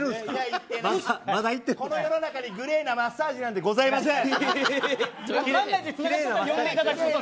この世の中にグレーなマッサージなんてございません。